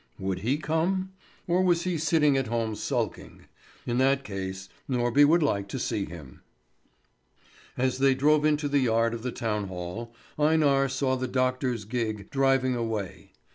Would he come? Or was he sitting at home sulking? In that case Norby would like to see him. As they drove into the yard of the town hall, Einar saw the doctor's gig driving away.